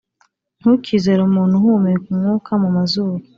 Ntukizere umuntu uhumeka umwuka mumazuru